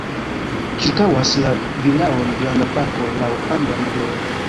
Ĉirkaŭas la vilaon granda parko laŭ angla modelo.